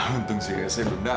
untung si reshe belum datang